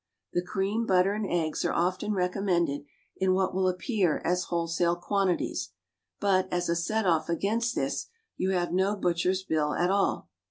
The cream, butter, and eggs are often recommended in what will appear as wholesale quantities, but, as a set off against this, you have no butcher's bill at all.